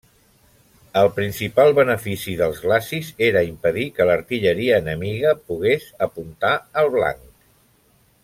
El principal benefici dels glacis era impedir que l'artilleria enemiga pogués apuntar al blanc.